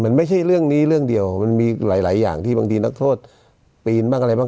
มันไม่ใช่เรื่องนี้เรื่องเดียวมันมีหลายอย่างที่บางทีนักโทษปีนบ้างอะไรบ้าง